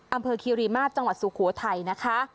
คิริมาตรจังหวัดสุโขทัยนะคะ